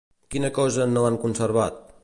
Quina cosa no han conservat?